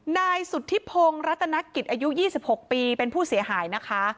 นายสุธิพงศ์รัตนกิจอายุ๒๖ปีเป็นผู้เสียหายนะคะ